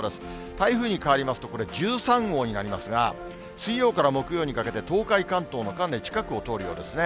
台風に変わりますとこれ、１３号になりますが、水曜から木曜にかけて、東海、関東のかなり近くを通るようですね。